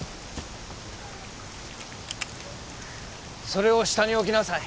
それを下に置きなさい。